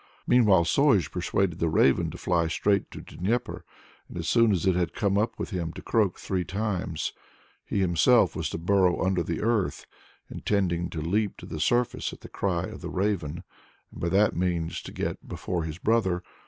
Meanwhile Sozh persuaded the Raven to fly straight to Dnieper, and, as soon as it had come up with him to croak three times; he himself was to burrow under the earth, intending to leap to the surface at the cry of the Raven, and by that means to get before his brother.